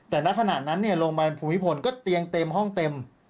แต่ณขณะนั้นโรงพยาบาลภูมิพลก็เตียงเต็มห้องเต็ม